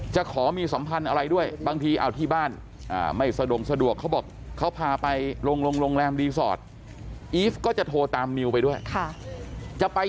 จะขอมีสัมพันธ์อะไรด้วยบางที